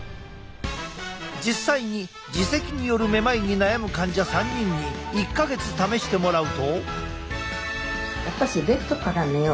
実際に耳石によるめまいに悩む患者３人に１か月試してもらうと。